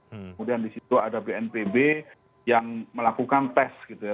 kemudian di situ ada bnpb yang melakukan tes gitu ya